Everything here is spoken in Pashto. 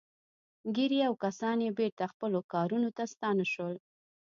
ګيري او کسان يې بېرته خپلو کارونو ته ستانه شول.